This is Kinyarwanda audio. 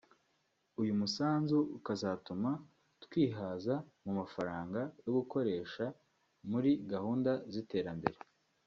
uyu musanzu ukazatuma twihaza mu mafaranga yo gukoresha muri gahunda z’iterambere”